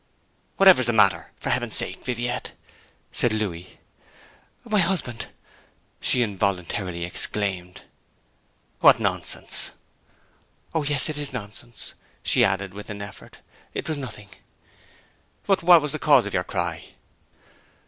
'What's the matter, for heaven's sake, Viviette?' said Louis. 'My husband!' she involuntarily exclaimed. 'What nonsense!' 'O yes, it is nonsense,' she added, with an effort. 'It was nothing.' 'But what was the cause of your cry?'